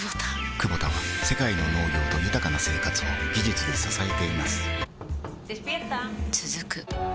クボタは世界の農業と豊かな生活を技術で支えています起きて。